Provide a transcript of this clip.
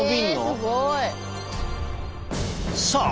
えすごい！さあ